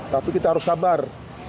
tapi kita harus sabar